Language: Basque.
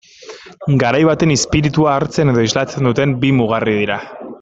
Garai baten izpiritua hartzen edo islatzen duten bi mugarri dira.